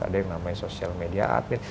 ada yang namanya sosial media atlet